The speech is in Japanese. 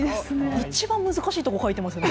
一番難しいところ描いてますね。